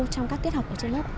trong các tiết học ở trên lớp